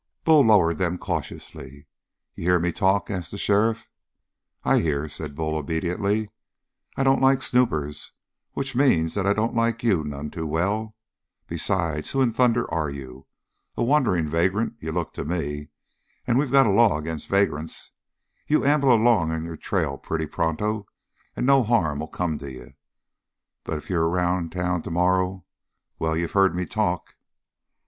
Bull lowered them cautiously. "You hear me talk?" asked the sheriff. "I hear," said Bull obediently. "I don't like snoopers. Which means that I don't like you none too well. Besides, who in thunder are you? A wanderin' vagrant you look to me, and we got a law agin' vagrants. You amble along on your trail pretty pronto, and no harm'll come to you. But if you're around town tomorrow well, you've heard me talk!"